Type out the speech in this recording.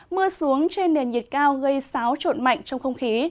mưa xuống trên nền nhiệt cao gây xáo trộn mạnh trong không khí